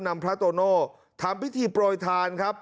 นำพระโตโน่ทำพิธีปล่อยทานครับ